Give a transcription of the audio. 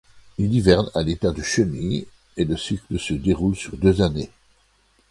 Il hiverne à l'état de chenille, et le cycle se déroule sur deux années.